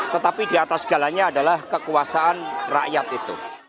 tetapi di atas segalanya adalah kekuasaan rakyat itu